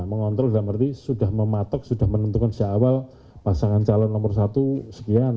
mengontrol dalam arti sudah mematok sudah menentukan sejak awal pasangan calon nomor satu sekian